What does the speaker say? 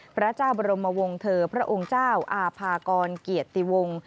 พระเจ้าบรมวงเธอพระองค์เจ้าอาภากรเกียรติวงศ์